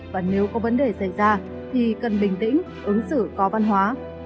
và nếu có vấn đề xảy ra thì cần bình tĩnh ứng xử có văn hóa